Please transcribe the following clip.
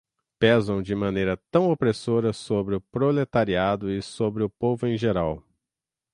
pesam de maneira tão opressora sobre o proletariado e sobre o povo em geral